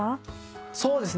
そうですね